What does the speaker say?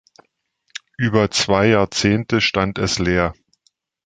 Über zwei Jahrzehnte stand es leer.